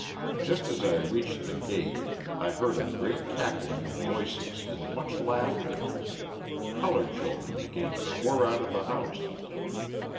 Just as I reached the gate I heard a great cackling of voices and much laughter. Coloured children began to pour out of the house.